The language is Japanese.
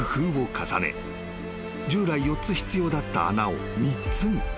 従来４つ必要だった穴を３つに。